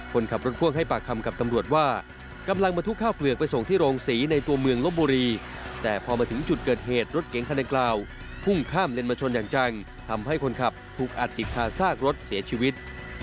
คนขับรถพ่วงให้ปากคำกับตำรวจว่ากำลังมาทุกข้าวเปลือกไปส่งที่โรงศรีในตัวเมืองลบบุรีแต่พอมาถึงจุดเกิดเหตุรถเก๋งคันดังกล่าวพุ่งข้ามเลนมาชนอย่างจังทำให้คนขับถูกอัดติดคาซากรถเสียชีวิต